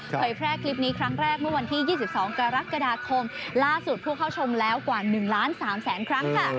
แพร่คลิปนี้ครั้งแรกเมื่อวันที่๒๒กรกฎาคมล่าสุดผู้เข้าชมแล้วกว่า๑ล้าน๓แสนครั้งค่ะ